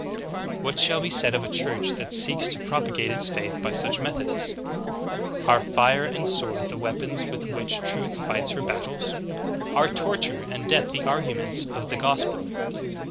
"'^ 14. What shall be said of a Church that seeks to propa gate its faith by such methods? Are fire and sword the weapons with which truth fights her battles? Are torture and death the arguments of the gospel?